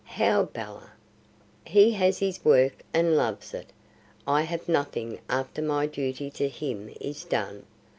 "How, Bella?" "He has his work and loves it: I have nothing after my duty to him is done.